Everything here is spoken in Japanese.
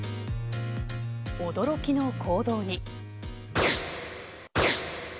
驚きの行動に。